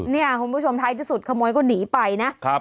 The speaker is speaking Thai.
เนี่ยคุณผู้ชมท้ายที่สุดขโมยก็หนีไปนะ